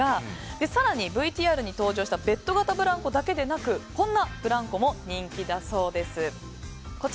更に、ＶＴＲに登場したベッド型ブランコだけでなくこんなブランコも人気だそうです。